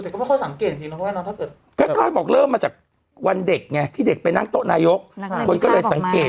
ก็ไม่ค่อยสังเกตจริงนะครับว่าน้องถ้าเกิดก็ต้องบอกเริ่มมาจากวันเด็กไงที่เด็กไปนั่งโต๊ะนายกคนก็เลยสังเกต